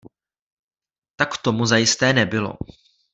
Tak tomu zajisté nebylo.